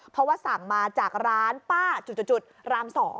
เพราะว่าสั่งมาจากร้านป้าจุดราม๒